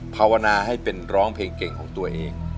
ภาวนาให้เป็นร้องเพลงเก่งของตัวเอง